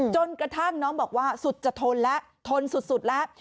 จนกระทั่งน้องบอกว่าสุดจะทนแล้วทนสุดแล้ว